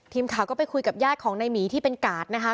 ทีมข่าวก็ไปคุยกับญาติของนายหมีที่เป็นกาดนะคะ